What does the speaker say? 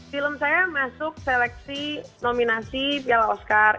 film saya masuk seleksi nominasi piala oscar